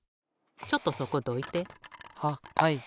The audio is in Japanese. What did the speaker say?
ちょっとそこどいて。ははい。